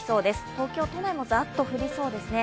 東京都内もザッと降りそうですね